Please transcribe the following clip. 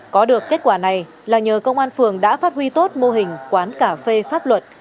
có được kết quả này là nhờ công an phường đã phát huy tốt mô hình quán cà phê pháp luật